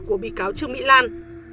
của bị cáo trương mỹ lan